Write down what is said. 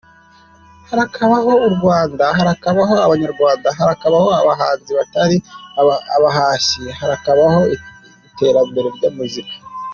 Harakabaho u Rwanda, harakabaho Abanyarwanda, harakabaho abahanzi batari abahashyi, harakabaho iterambere rya muzika!.